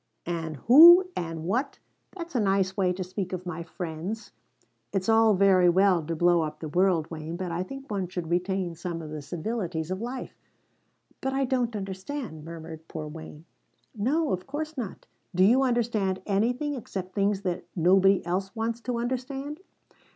_" "Ann who! Ann what! That's a nice way to speak of my friends! It's all very well to blow up the world, Wayne, but I think one should retain some of the civilities of life!" "But I don't understand," murmured poor Wayne. "No, of course not. Do you understand anything except things that nobody else wants to understand?